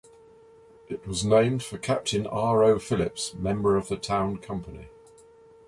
It was named for Captain R. O. Phillips, member of the town company.